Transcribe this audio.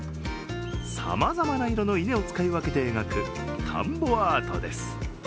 さまざまな色の稲を使い分けて描く田んぼアートです。